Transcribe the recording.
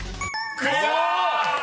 ［クリア！］